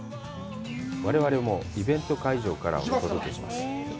我々もイベント会場からお届けします。